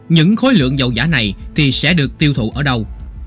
những khối lượng dầu giả này thì sẽ được tiêu thụ ở đâu